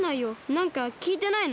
なんかきいてないの？